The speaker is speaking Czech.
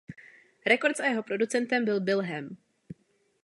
Records a jeho producentem byl Bill Ham.